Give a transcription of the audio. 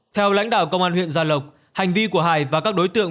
theo lãnh đạo công an huyện gia lộc hành vi của hải và các đối tượng